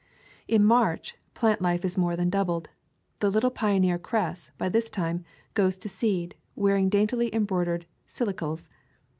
In March, plant life is more than doubled. The little pioneer cress, by this time, goes to seed, wearing daintily embroidered silicles.